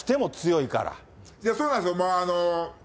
そうなんですよ。